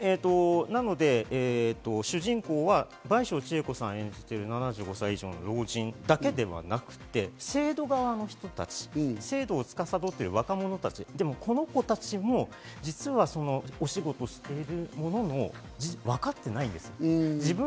なので、主人公は倍賞千恵子さん演じる、７５歳以上の老人だけではなくて、制度側の人たち、制度を司っている若者たち、この子たちも実はお仕事しているものの、分かってないんです。